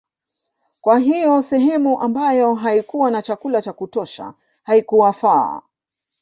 Kwa hiyo sehemu ambayo haikuwa na chakula cha kutosha haikuwafaa